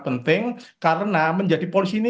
penting karena menjadi polisi ini